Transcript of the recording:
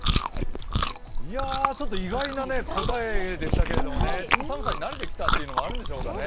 意外な答えでしたけれどもね寒さに慣れてきたこともあるんでしょうかね。